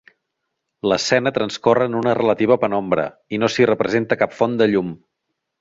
L'escena transcorre en una relativa penombra i no s'hi representa cap font de llum.